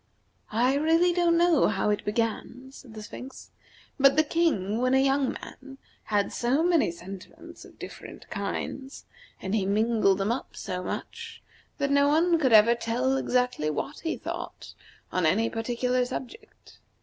"I really don't know how it began," said the Sphinx, "but the King, when a young man, had so many sentiments of different kinds, and he mingled them up so much, that no one could ever tell exactly what he thought on any particular subject.